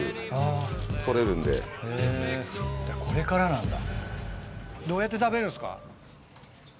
へぇこれからなんだ。